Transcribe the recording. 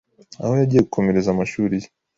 aho yagiye gukomereza amashuri ye